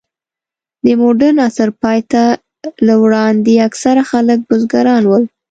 د مډرن عصر پای ته له وړاندې، اکثره خلک بزګران ول.